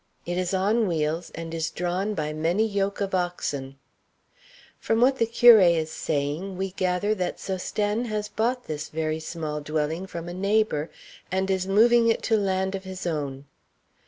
It is on wheels, and is drawn by many yoke of oxen. From what the curé is saying we gather that Sosthène has bought this very small dwelling from a neighbor, and is moving it to land of his own.